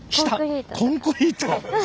コンクリート。